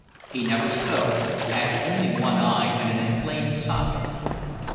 He never spoke, had only one eye and an inflamed socket.